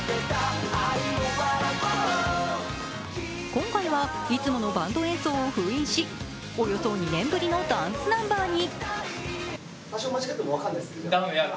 今回は、いつものバンド演奏を封印しおよそ２年ぶりのダンスナンバーに。